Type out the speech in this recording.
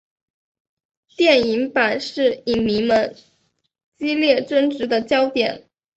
电影版是影迷们激烈争执的焦点。